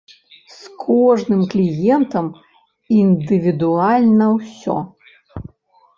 З кожным кліентам індывідуальна ўсё.